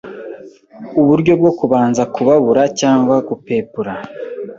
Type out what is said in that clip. uburyo bwo kubanza kubabura cg gupepura